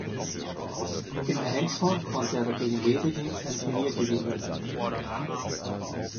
Im Einzel konnte er dagegen lediglich ein Turnier gewinnen.